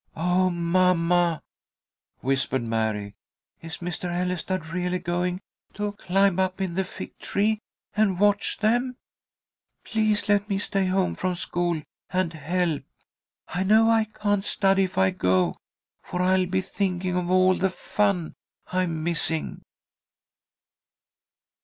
"Oh, mamma," whispered Mary, "is Mr. Ellestad really going to climb up in the fig tree and watch them? Please let me stay home from school and help. I know I can't study if I go, for I'll be thinking of all the fun I'm missing."